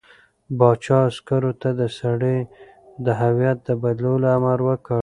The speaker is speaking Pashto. پاچا عسکرو ته د سړي د هویت د بدلولو امر وکړ.